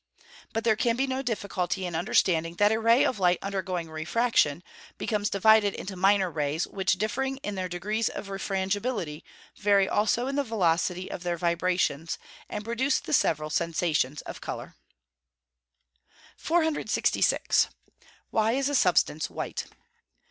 But there can be no difficulty in understanding that a ray of light undergoing refraction, becomes divided into minor rays, which differing in their degrees of refrangibility, vary also in the velocity of their vibrations, and produce the several sensations of colour. 466. _Why is a substance white?